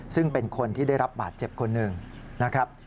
ซึ่งเป็นคนที่ได้รับบาดเจ็บคนหนึ่งนะครับ